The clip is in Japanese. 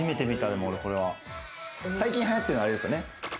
最近流行ってるの、あれですよね？